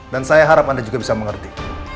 dan saya harap anda juga bisa mengerti